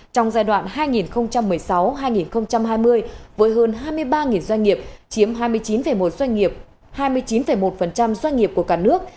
trong giai đoạn hai nghìn một mươi sáu hai nghìn hai mươi với hơn hai mươi ba doanh nghiệp chiếm hai mươi chín một doanh nghiệp của cả nước